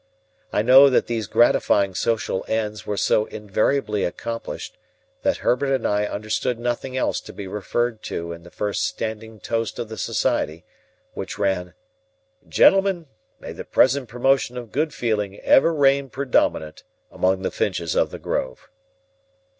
I know that these gratifying social ends were so invariably accomplished, that Herbert and I understood nothing else to be referred to in the first standing toast of the society: which ran "Gentlemen, may the present promotion of good feeling ever reign predominant among the Finches of the Grove."